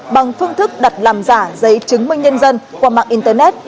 bằng phương thức đặt làm giả giấy chứng minh nhân dân qua mạng internet